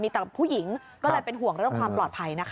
มีแต่ผู้หญิงก็เลยเป็นห่วงเรื่องความปลอดภัยนะคะ